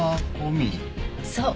そう。